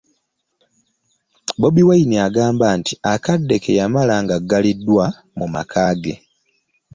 Bobi Wine agamba nti akadde ke yamala ng'aggaliddwa mu maka ge